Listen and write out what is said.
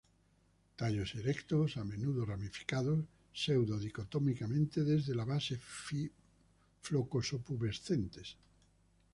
Tallos erectos, a menudo ramificados pseudo-dicotómicamente desde la base, flocoso-pubescentes.